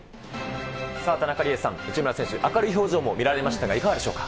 さあ、田中理恵さん、内村選手、明るい表情も見られましたが、いかがでしょうか。